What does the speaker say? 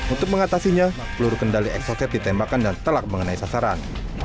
untuk mengatasinya peluru kendali eksoset ditembakkan dan telak mengenai sasaran